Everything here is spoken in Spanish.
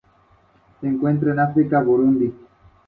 Chavez es de Aguililla, Michoacán.